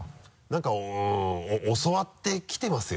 何か教わってきてますよ